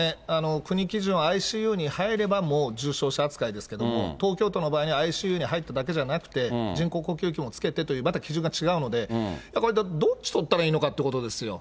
国基準、ＩＣＵに入ればもう重症者扱いですけど、東京都の場合は、ＩＣＵに入っただけじゃなくて、人工呼吸器をつけてという、また基準が違うので、これ、どっち取ったらいいのかってことですよ。